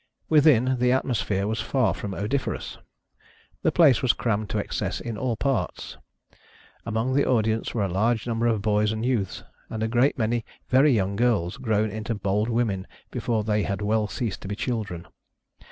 Withiu, the atmosphere was far from odoriferous. The place was crammed to excess in all parts. Among the audience were a large number of boys and youths, and a great many very young girls grown into bold women before they had well ceased to be children.